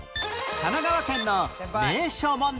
神奈川県の名所問題